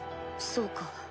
そうか。